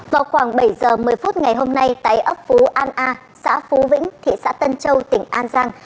vào khoảng bảy giờ một mươi phút ngày hôm nay tại ấp phú an a xã phú vĩnh thị xã tân châu tỉnh an giang